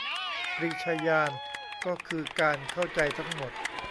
ปรีชาญาณก็คือการเข้าใจทั้งหมด